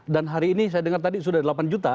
hari ini saya dengar tadi sudah delapan juta